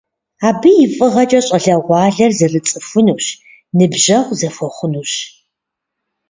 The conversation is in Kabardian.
Абы и фӀыгъэкӀэ щӀалэгъуалэр зэрыцӀыхунущ, ныбжьэгъу зэхуэхъунущ.